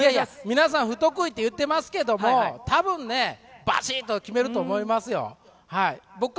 皆さん不得意って言ってますけども、たぶんね、ばしっと決めると思いますよ。